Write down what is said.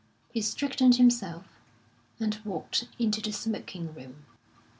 He straightened himself, and walked into the smoking room.